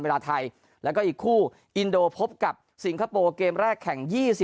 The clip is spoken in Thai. เวลาไทยแล้วก็อีกคู่อินโดพบกับสิงคโปร์เกมแรกแข่ง๒๐